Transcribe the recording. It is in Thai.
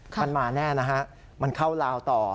มันมาแน่นะฮะมันเข้าลาวต่อ